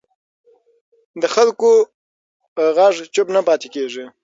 د خلکو غږ چوپ نه پاتې کېږي